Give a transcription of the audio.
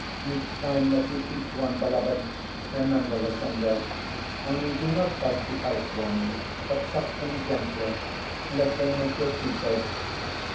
Each time that you eat one, beloved, remember the sender. Only, do not bite the iced ones, but suck them gently, lest they make your teeth ache.